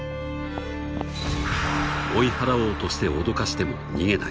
［追い払おうとして脅かしても逃げない］